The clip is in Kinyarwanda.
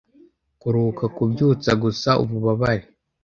kuruhuka kubyutsa gusa ububabare